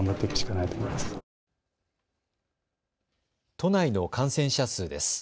都内の感染者数です。